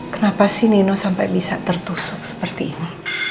kenapa sih nino sampai bisa tertusuk seperti ini